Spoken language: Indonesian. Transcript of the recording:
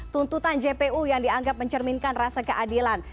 tuntutan jpu yang dianggap mencerminkan rasa keadilan